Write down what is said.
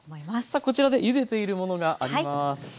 さあこちらでゆでているものがあります。